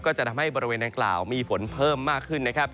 จะทำให้บริเวณดังกล่าวมีฝนเพิ่มมากขึ้นนะครับ